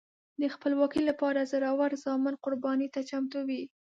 د خپلواکۍ لپاره زړور زامن قربانۍ ته چمتو وي.